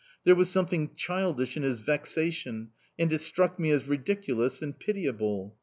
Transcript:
There was something childish in his vexation, and it struck me as ridiculous and pitiable...